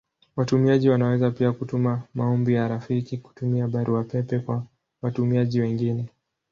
Watumiaji wanaweza pia kutuma maombi ya rafiki kutumia Barua pepe kwa watumiaji wengine.